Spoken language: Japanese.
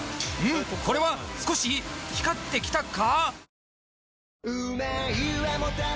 これは少し光ってきたか？